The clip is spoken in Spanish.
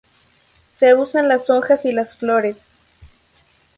Se usan las hojas y las flores.